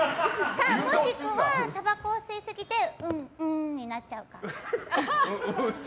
正しくはたばこを吸いすぎてウウーンになっちゃうかな。